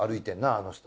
あの人。